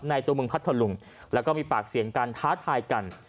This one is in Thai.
ตัวเมืองพัทธลุงแล้วก็มีปากเสียงกันท้าทายกัน